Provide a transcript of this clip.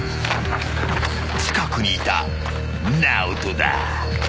［近くにいたＮＡＯＴＯだ］